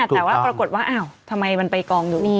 แต่ว่าปรากฏว่าอ้าวทำไมมันไปกองอยู่นี่